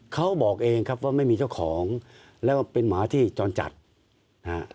เขาบอกเองครับว่าไม่มีเจ้าของแล้วก็เป็นหมาที่จรจัดนะฮะ